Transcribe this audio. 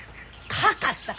「かかったか？」